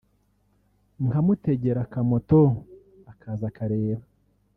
nkamutegera akamoto akaza akareba’’